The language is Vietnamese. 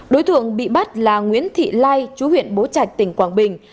đối tượng bị bắt là nguyễn thị lai chú huyện bố trạch tỉnh quảng bình